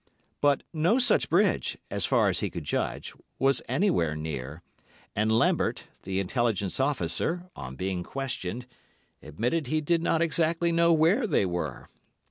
But no such bridge, as far as he could judge, was anywhere near, and Lambert, the intelligence officer, on being questioned, admitted he did not exactly know where they were.